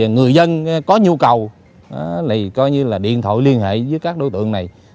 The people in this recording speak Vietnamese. người dân có nhu cầu điện thoại liên hệ với các đối tượng này